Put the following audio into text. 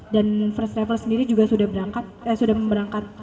dan first travel sendiri juga sudah berangkat